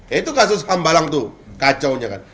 ya itu kasus hambalang tuh kacaunya kan